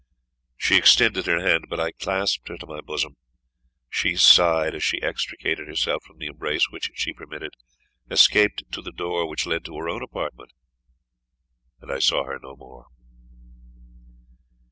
She extended her hand, but I clasped her to my bosom. She sighed as she extricated herself from the embrace which she permitted escaped to the door which led to her own apartment and I saw her no more.